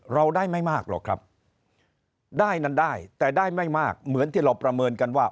เราได้ไม่มากหรอกครับได้นั้นได้แต่ได้ไม่มากเหมือนที่เราประเมินกันว่า